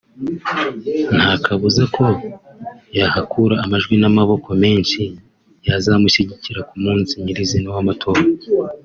nta kabuza ko yahakura amajwi n’amaboko menshi yazamushyigikira ku munsi nyir’izina w’amatora